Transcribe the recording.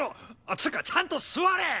つかちゃんと座れ！